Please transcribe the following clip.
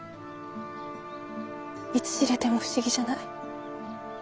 いつ知れても不思議じゃない。